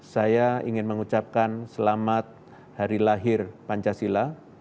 saya ingin mengucapkan selamat hari lahir pancasila